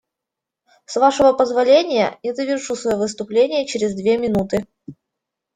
С Вашего позволения, я завершу свое выступление через две минуты.